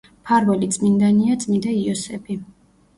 მფარველი წმინდანია წმინდა იოსები.